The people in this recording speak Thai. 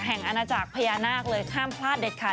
แห่งอาณาจักรพญานาคเลยข้ามพลาดเด็ดค่ะ